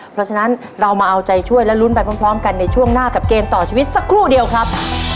เพราะฉะนั้นเรามาเอาใจช่วยและลุ้นไปพร้อมกันในช่วงหน้ากับเกมต่อชีวิตสักครู่เดียวครับ